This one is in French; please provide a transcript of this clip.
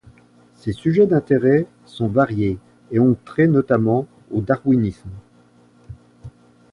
Ses sujets d’intérêt sont variés et ont trait notamment au darwinisme.